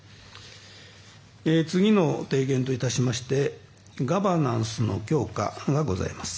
次の提言といたしましてガバナンスの強化がございます。